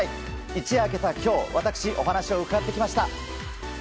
一夜明けた今日私、お話を伺ってきました。